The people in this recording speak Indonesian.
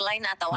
lain atau apa